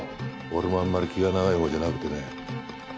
俺もあんまり気が長いほうじゃなくてね。